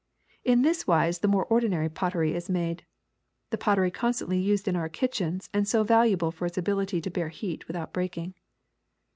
In this wise the more ordinary pottery is made, the pot tery constantly used in our kitchens and so valuable for its ability to bear heat without breaking.